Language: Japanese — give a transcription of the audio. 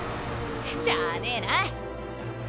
しゃあねえなあ。